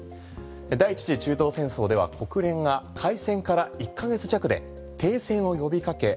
第１次中東戦争では国連が開戦から１ヶ月弱で停戦を呼びかけ